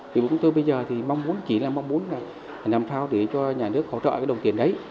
thì bọn tôi bây giờ chỉ là mong muốn là làm sao để cho nhà nước hỗ trợ cái đồng tiền đấy